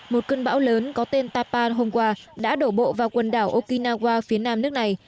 một cơn bão lớn có tên tapan hôm qua đã đổ bộ vào quần đảo okinawa phía nam nước này